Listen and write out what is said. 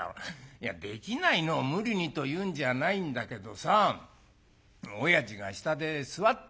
「いやできないのを無理にというんじゃないんだけどさおやじが下で座ってるんだよ。